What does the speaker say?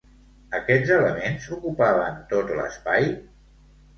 Aquests elements ocupaven tot l'espai?